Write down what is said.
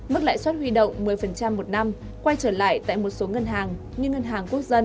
mức lãi suất huy động một mươi một năm quay trở lại tại một số ngân hàng như ngân hàng quốc dân